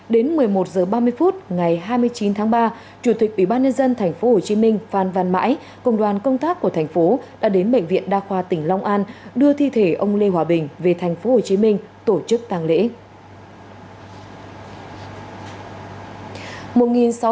đến một mươi một h ba mươi phút ngày hai mươi chín tháng ba chủ tịch ủy ban nhân dân tp hcm phan văn mãi cùng đoàn công tác của thành phố đã đến bệnh viện đa khoa tỉnh long an đưa thi thể ông lê hòa bình về tp hcm tổ chức tàng lễ